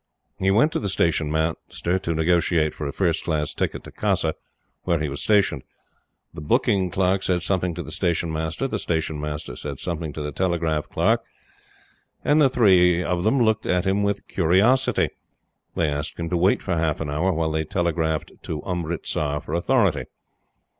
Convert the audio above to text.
He went to the Station Master to negotiate for a first class ticket to Khasa, where he was stationed. The booking clerk said something to the Station Master, the Station Master said something to the Telegraph Clerk, and the three looked at him with curiosity. They asked him to wait for half an hour, while they telegraphed to Umritsar for authority.